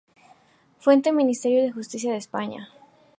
Fuente: Ministerio de Justicia de España